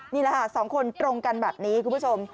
นี่แหละค่ะ๒คนตรงกันแบบนี้คุณผู้ชม